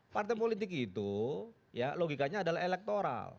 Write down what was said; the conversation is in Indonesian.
partai politik itu ya logikanya adalah elektoral